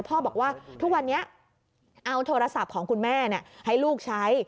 บอกว่าทุกวันนี้เอาโทรศัพท์ของคุณแม่ให้ลูกใช้